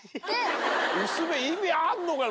薄目意味あんのかな？